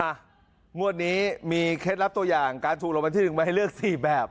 งวดนี้มีเคล็ดลับตัวอย่างการถูกรางวัลที่๑มาให้เลือก๔แบบ